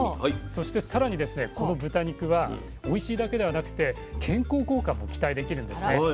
そしてさらにこの豚肉はおいしいだけではなくて健康効果も期待できるんですね。